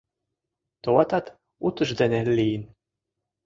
Товатат, утыждене лийын.